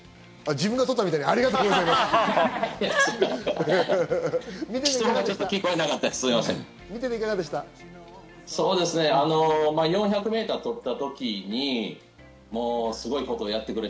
自分が取ったみたいに「ありがとうございます」って言ってる。